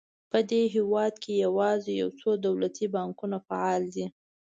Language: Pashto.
په دې هېواد کې یوازې یو څو دولتي بانکونه فعال دي.